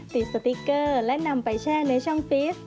สติ๊กเกอร์และนำไปแช่ในช่องฟิส